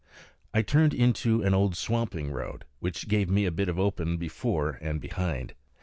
I turned into an old swamping road, which gave me a bit of open before and behind.